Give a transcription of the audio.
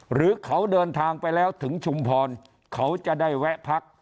หรือเขาเดินทางไปแล้วถึงชุมพรเขาจะได้แวะพัก